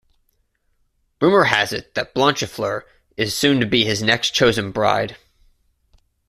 Rumour has it that Blanchefleur is soon to be his next chosen bride.